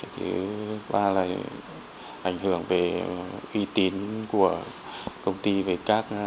thứ ba là ảnh hưởng về uy tín của công ty về các đối tác xuất bản